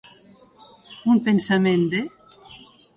Un pensament de.